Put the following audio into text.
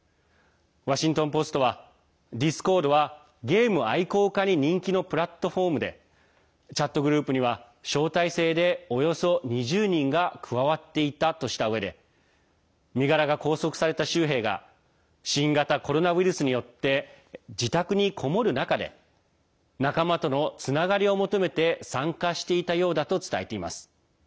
ワシントン・ポストはディスコードはゲーム愛好者に人気のプラットフォームでチャットグループには招待制でおよそ２０人が加わっていたとしたうえで身柄が拘束された州兵が新型コロナウイルスによって自宅にこもる中で仲間とのつながりを求めて参加していたようだと伝えています。